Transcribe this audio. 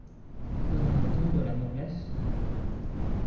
Donnera-t-on de la noblesse ?